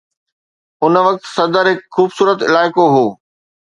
ان وقت صدر هڪ خوبصورت علائقو هو.